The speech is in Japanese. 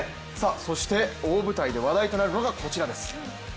そして大舞台で話題となるのがこちらです。